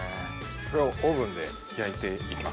これをオーブンで焼いていきます。